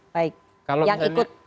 baik yang ikut